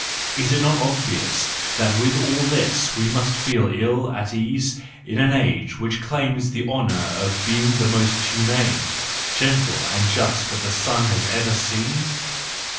Is it not obvious that with all this we must feel ill at ease in an age which claims the honour of being the most humane, gentle and just that the sun has ever seen